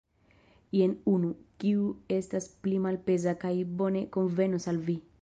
Jen unu, kiu estas pli malpeza kaj bone konvenos al vi.